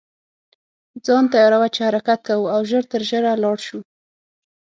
ځان تیاروه چې حرکت کوو او ژر تر ژره لاړ شو.